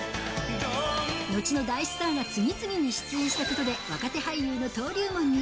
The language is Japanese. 後の大スターが次々と出演したことで、若手俳優の登竜門に。